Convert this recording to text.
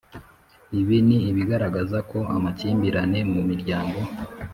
Ibi ni ibigaragaza ko amakimbirane mu miryango